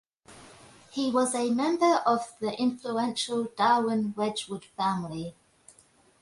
He was a member of the influential Darwin-Wedgwood family.